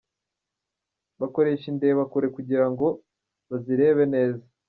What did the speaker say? Bakoresha indebakure kugira ngo bazirebe neza.